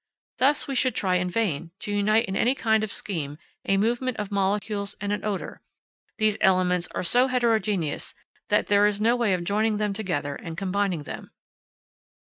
Thus, we should try in vain to unite in any kind of scheme a movement of molecules and an odour; these elements are so heterogeneous that there is no way of joining them together and combining them.